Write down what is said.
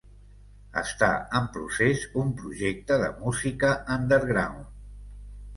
Està en procés un projecte de música underground.